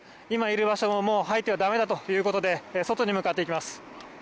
今いる場所ももう入ってはだめだということで外に向かっていきます。